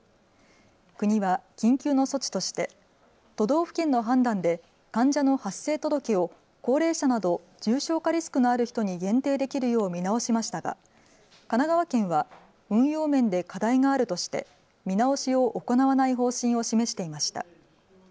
国は緊急の措置として都道府県の判断で患者の発生届を高齢者など重症化リスクのある人に限定できるよう見直しましたが神奈川県は運用面で課題があるとして見直しを行わない方針を示していました。